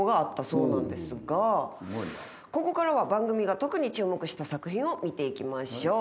ここからは番組が特に注目した作品を見ていきましょう。